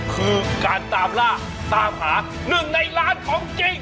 คือการตามล่าตามหา๑ในล้านของจริง